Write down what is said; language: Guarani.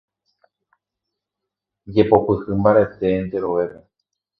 Jepopyhy mbarete enterovetépe.